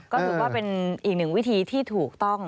ก็ถือว่าเป็นอีกหนึ่งวิธีที่ถูกต้อง